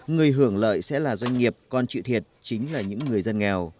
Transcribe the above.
người hưởng lợi sẽ là doanh nghiệp con chịu thiệt chính là những người dân nghèo